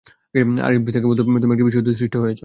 আর ইবলীস তাঁকে বলত, তুমি একটি বিশেষ উদ্দেশ্যে সৃষ্ট হয়েছ।